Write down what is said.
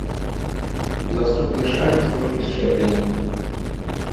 Наступны шанец толькі з чэрвеня.